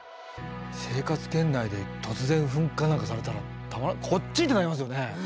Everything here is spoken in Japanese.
生活圏内で突然噴火なんかされたら「こっち？」ってなりますよね。